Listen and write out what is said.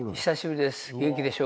元気でしょうか。